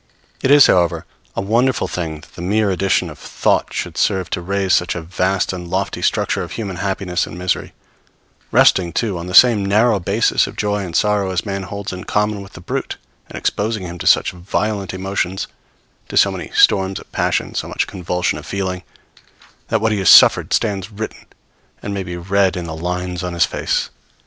] It is, however, a wonderful thing that the mere addition of thought should serve to raise such a vast and lofty structure of human happiness and misery; resting, too, on the same narrow basis of joy and sorrow as man holds in common with the brute, and exposing him to such violent emotions, to so many storms of passion, so much convulsion of feeling, that what he has suffered stands written and may be read in the lines on his face.